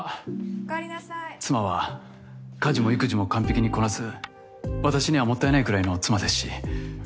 おかえりな妻は家事も育児も完璧にこなす私にはもったいないくらいの妻ですし。